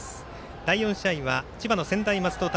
第４試合は千葉の専大松戸対